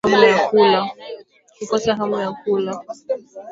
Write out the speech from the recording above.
Kukosa hamu ya kula